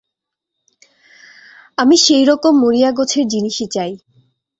আমি সেইরকম মরীয়াগোছের জিনিসই চাই।